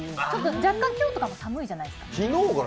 若干、今日とかも寒いじゃないですか。